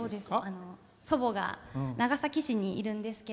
祖母が長崎市にいるんですけど。